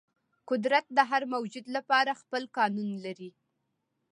قدرت د هر موجود لپاره خپل قانون لري.